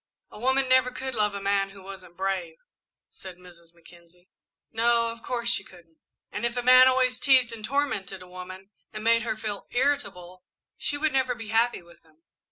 "A woman never could love a man who wasn't brave," said Mrs. Mackenzie. "No, of course she couldn't." "And if a man always teased and tormented a woman, and made her feel irritable, she would never be happy with him."